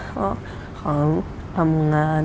ก็ขอทำงาน